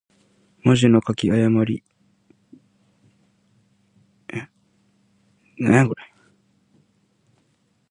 文字の書き誤り。「魯」と「魚」、「亥」と「豕」の字とが、それぞれ字画が似ていて間違えやすいということ。